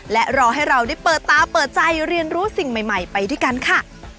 และรอให้เราได้เปิดตาเปิดใจเรียนรู้สิ่งใหม่ไปด้วยกันค่ะ